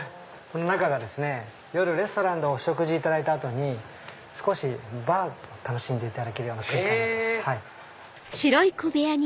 この中がですね夜レストランでお食事いただいた後に少しバーを楽しんでいただける空間になってます。